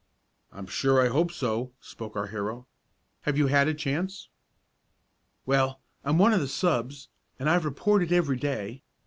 "I'm sure I hope so," spoke our hero. "Have you had a chance?" "Well, I'm one of the subs, and I've reported every day.